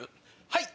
はい。